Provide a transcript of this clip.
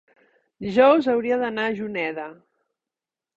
dijous hauria d'anar a Juneda.